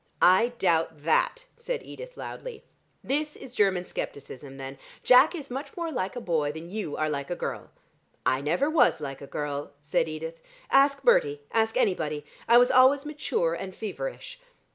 "I doubt that," said Edith loudly. "This is German scepticism then. Jack is much more like a boy than you are like a girl." "I never was like a girl," said Edith. "Ask Bertie, ask anybody. I was always mature and feverish.